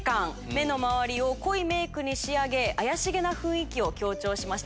目の周りを濃いメイクに仕上げ怪しげな雰囲気を強調しました。